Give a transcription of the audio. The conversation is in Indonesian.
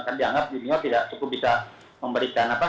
kan dianggap junior tidak cukup bisa memberikan apa